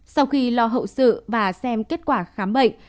sau khi lo hậu sự và xem kết quả khám bệnh